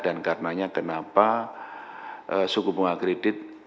dan karenanya kenapa suku bunga kredit